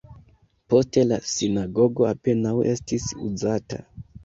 Poste la sinagogo apenaŭ estis uzata.